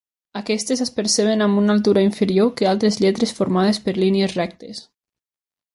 Aquestes, es perceben amb una altura inferior que altres lletres formades per línies rectes.